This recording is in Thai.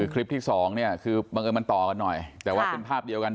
คลิปที่สองเนี่ยคือบังเอิญมันต่อกันหน่อยแต่ว่าเป็นภาพเดียวกัน